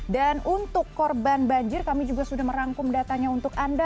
dan untuk korban banjir kami juga sudah merangkum datanya untuk anda